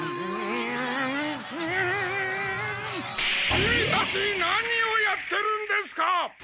キミたち何をやってるんですか！